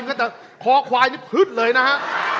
แต่คอควายฮึดเลยนะฮะ